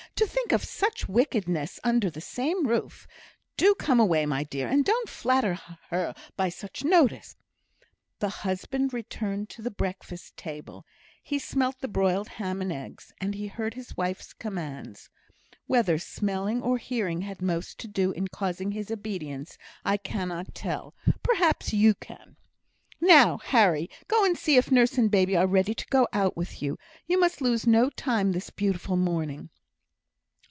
To think of such wickedness under the same roof! Do come away, my dear, and don't flatter her by such notice." The husband returned to the breakfast table; he smelt the broiled ham and eggs, and he heard his wife's commands. Whether smelling or hearing had most to do in causing his obedience, I cannot tell; perhaps you can. "Now, Harry, go and see if nurse and baby are ready to go out with you. You must lose no time this beautiful morning."